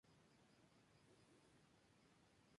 Un alto theta implica un crecimiento del consumo insensible.